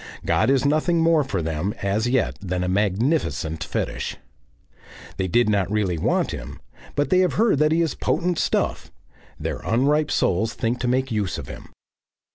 God is nothing more for them as yet than a magnificent Fetish. They did not really want him, but they have heard that he is potent stuff; their unripe souls think to make use of him.